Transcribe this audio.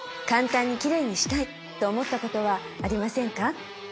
簡単にきれいにしたいと思ったことはありませんか？